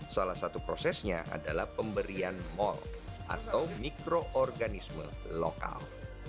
salah satu prosesnya adalah pemberian mall atau mikroorganisme lokal